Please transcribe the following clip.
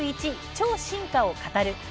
超進化を語る」。